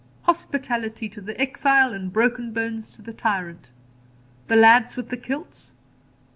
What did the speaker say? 'Hospitality to the exile, and broken bones to the tyrant.' 'The lads with the kilts.'